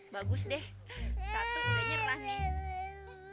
bagus deh satu mulainya renah nih